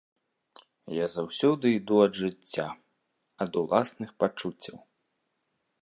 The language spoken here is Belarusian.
Я заўсёды іду ад жыцця, ад уласных пачуццяў.